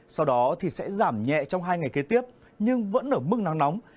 sau đó sẽ giảm nhẹ trong hai ngày kế tiếp nhưng vẫn ở mức nắng nóng